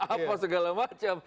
apa segala macam